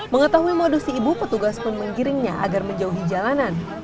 mengetahui modus si ibu petugas pun menggiringnya agar menjauhi jalanan